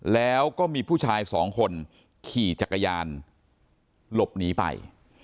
แล้วก็มีผู้ชายสองคนขี่จักรยานหลบหนีไป